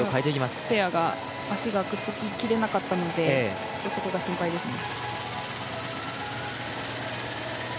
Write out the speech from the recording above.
今、１組のペアが足がくっつききれなかったのでそこが心配ですね。